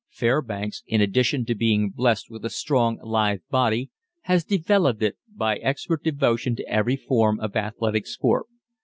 Fairbanks, in addition to being blessed with a strong, lithe body, has developed it by expert devotion to every form of athletic sport.